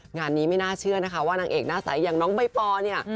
งานนี้ไม่น่าเชื่อนะคะว่านางเอกหน้าใสอย่างน้องใบปอเนี่ย